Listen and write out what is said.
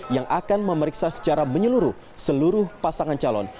yang akan memeriksa secara menyeluruh seluruh pasangan calon